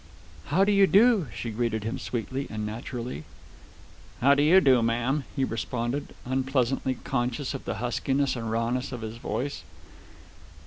"How do you do?" she greeted him sweetly and naturally. "How do you do, ma'am," he responded, unpleasantly conscious of the huskiness and rawness of his voice.